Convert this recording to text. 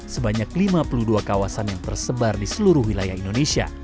sebanyak lima puluh dua kawasan yang tersebar di seluruh wilayah indonesia